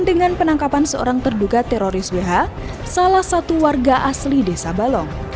dengan penangkapan seorang terduga teroris wh salah satu warga asli desa balong